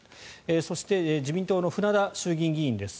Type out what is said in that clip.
そして自民党の船田衆院議員です。